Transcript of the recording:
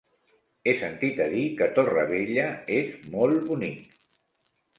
He sentit a dir que Torrevella és molt bonic.